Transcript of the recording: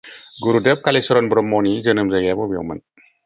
गुरुदेब कालीचरण ब्रह्मनि जोनोम जायगाया बबेयावमोन?